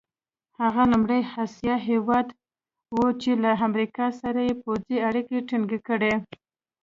هغه لومړنی اسیایي هېواد وو چې له امریکا سره یې پوځي اړیکي ټینګې کړې.